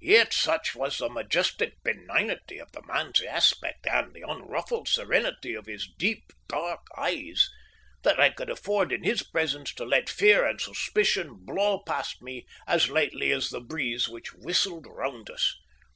Yet such was the majestic benignity of the man's aspect, and the unruffled serenity of his deep, dark eyes, that I could afford in his presence to let fear and suspicion blow past me as lightly as the breeze which whistled round us.